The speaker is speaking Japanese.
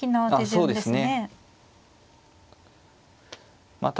そうですね。